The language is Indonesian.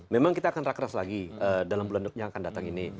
memang kita akan rakeras lagi dalam bulan depan yang akan datang ini